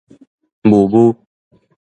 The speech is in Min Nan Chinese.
霧霧